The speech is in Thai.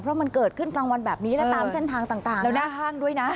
เพราะมันเกิดขึ้นกลางวันแบบนี้นะตามเส้นทางต่างแล้วหน้าห้างด้วยนะ